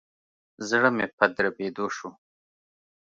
زړه مي په دربېدو شو.